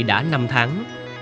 đã năm tháng